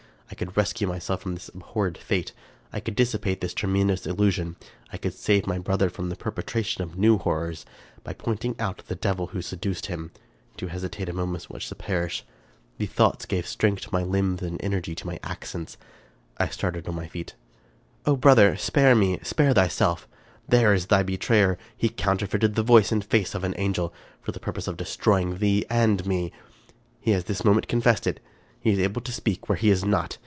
I could rescue myself from this abhorred fate ; I could dissipate this tremendous illusion ; I could save my brother from the perpetration of new horrors, by pointing out the devil who seduced him. To hesitate a moment was to perish. These 289 American Mystery Stories thoughts gave strength to my limbs and energy to my accents ; I started on my feet :—" Oh, brother ! spare me ! spare thyself ! There is thy betrayer. He counterfeited the voice and face of an angel, for the purpose of destroying thee and me. He has this moment confessed it. He is able to speak where he is not.